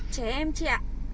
trẻ em chị ạ